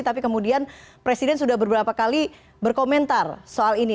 tapi kemudian presiden sudah beberapa kali berkomentar soal ini